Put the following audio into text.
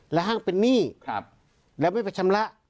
แล้วห้างเป็นหนี้แล้วไม่ไปชำระ